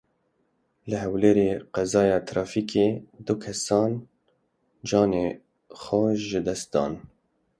Li Hewlêrê qezaya trafîkê du kesan canê xwe ji dest dan.